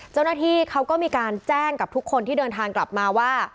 เจ้าหน้าที่เขาก็มีการแจ้งกับทุกคนที่เดินทางกลับมาว่า